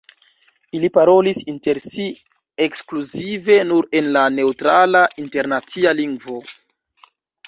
Ili parolis inter si ekskluzive nur en la neŭtrala internacia lingvo.